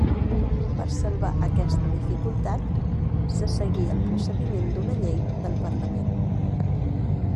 Per salvar aquesta dificultat se seguí el procediment d'una llei del Parlament.